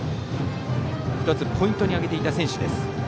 １つポイントに挙げていた選手です。